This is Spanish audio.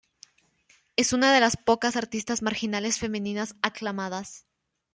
Es una de las pocas artistas marginales femeninas aclamadas.